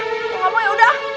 gua gak mau yaudah